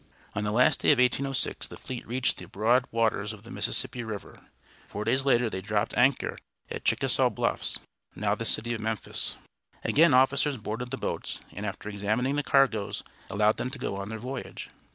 On the last day of 1806 the fleet reached the broad waters of the Mississippi River. Four days later they dropped anchor at Chickasaw Bluffs, now the city of Memphis. Again officers boarded the boats, and after examining the cargoes allowed them to go on their voyage.